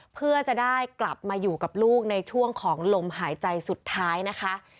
เพื่อจะได้กลับมาอยู่กับลูกในช่วงของลมหายใจสุดท้ายนะคะ